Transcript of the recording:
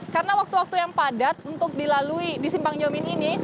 karena waktu waktu yang padat untuk dilalui di simpang jomin ini